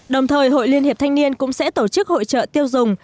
đồng thời hội liên hiệp thanh niên cũng sẽ tổ chức hội trợ tiêu dùng